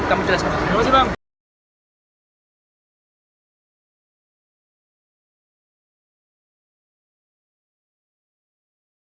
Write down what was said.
nanti kami telah selesai